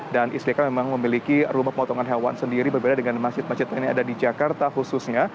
dan istiqlal memang memiliki rumah pemotongan hewan sendiri berbeda dengan masjid masjid yang ada di jakarta khususnya